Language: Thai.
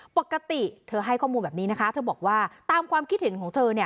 ปกติเธอให้ข้อมูลแบบนี้นะคะเธอบอกว่าตามความคิดเห็นของเธอเนี่ย